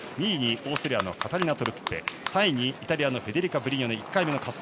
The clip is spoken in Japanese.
２位にオーストリアのカタリナ・トルッペ３位にイタリアのフェデリカ・ブリニョネ。